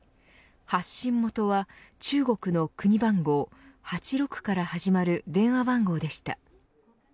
発信元は中国の国番号８６から始まる電話番号でした。